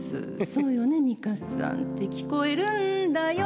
「そうよね美香さん」「って聞こえるんだよ」